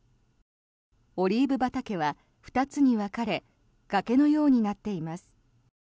オリーブ畑は２つに分かれ崖のようになっています。